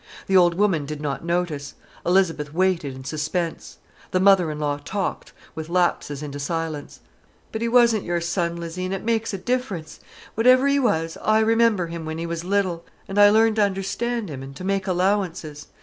The old woman did not notice. Elizabeth waited in suspense. The mother in law talked, with lapses into silence. "But he wasn't your son, Lizzie, an' it makes a difference. Whatever he was, I remember him when he was little, an' I learned to understand him and to make allowances.